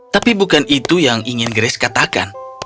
tapi bukan itu yang ingin grace katakan